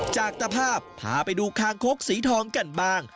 จากตภาพพาไปดูคางคกสีทองกันบ้าง